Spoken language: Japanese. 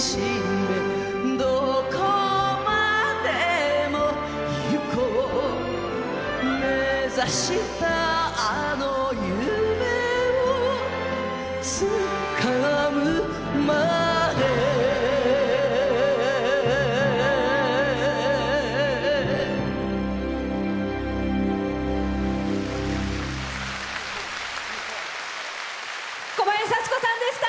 どこまでもゆこうめざしたあの夢をつかむまで小林幸子さんでした。